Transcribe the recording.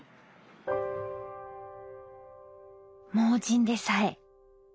盲人でさえ。